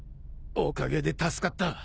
おかげで助かった。